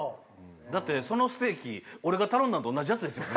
だってそのステーキ俺が頼んだのと同じやつですよね？